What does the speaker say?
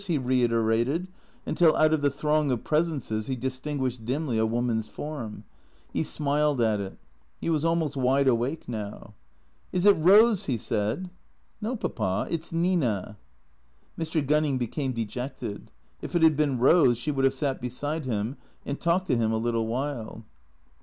he reiterated, until out of the throng of presences he distinguished dimly a woman's form. He smiled at it. He was almost wide awake now. "Is it Eose?" he said. " No, Papa. It 's Nina." Mr. Gunning became dejected. If it had been Eose she would have sat beside him and talked to him a little while.